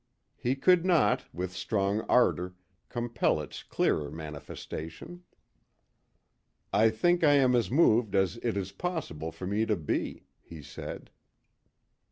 He could not, with strong ardour, compel its clearer manifestation. "I think I am as moved as it is possible for me to be," he said.